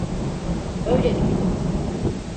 Öyle duydum.